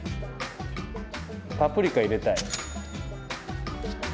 パプリカ入れたい。